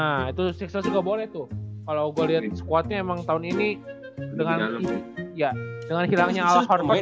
nah itu sixers juga boleh tuh kalo gua liat squad nya emang tahun ini dengan hilangnya ala hornet sih